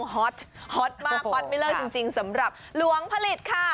ฮอตฮอตมากฮอตไม่เลิกจริงสำหรับหลวงผลิตค่ะ